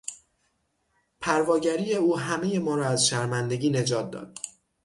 پرواگری او همهی ما را از شرمندگی نجات داد.